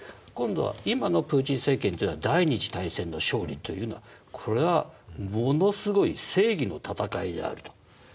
今度は今のプーチン政権というのは第二次大戦の勝利というのはこれはものすごい正義の戦いであると。